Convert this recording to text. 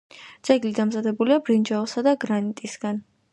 ძეგლი დამზადებულია ბრინჯაოსა და გრანიტისგან.